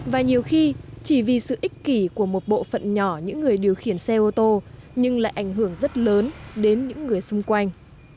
và nhiều khi chỉ vì sự ích kỷ của một bộ phận nhỏ những người điều khiển xe ô tô nhưng lại ảnh hưởng rất lớn đến những người xung quanh